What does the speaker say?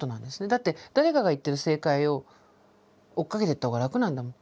だって誰かが言ってる正解を追っかけてった方が楽なんだもん。